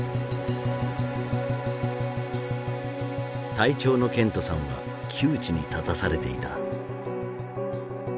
隊長のケントさんは窮地に立たされていた。